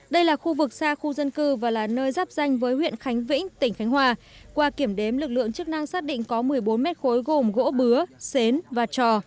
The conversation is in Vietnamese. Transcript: đây là khu vực xa khu dân cư và là nơi giáp danh với huyện khánh vĩnh tỉnh khánh hòa qua kiểm đếm lực lượng chức năng xác định có một mươi bốn mét khối gồm gỗ bứa xến và trò